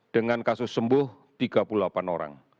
dengan kasus sembuh tiga puluh delapan orang